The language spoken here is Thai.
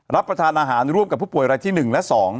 รับประทานอาหารร่วมกับผู้ป่วยรายที่๑และ๒